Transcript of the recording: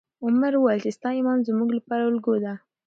عمر وویل چې ستا ایمان زموږ لپاره الګو ده.